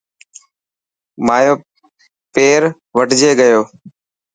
مايو پير وڍجي گيو.